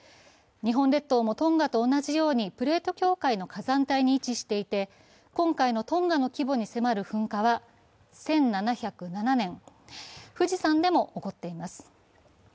日本列島もトンガと同じようにプレート境界の火山帯に位置していて、今回のトンガの規模に迫る噴火は１７０７年、富士山でも起こっています。